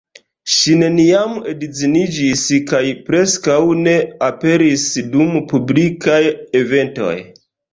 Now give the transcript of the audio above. Ŝi neniam edziniĝis kaj preskaŭ ne aperis dum publikaj eventoj.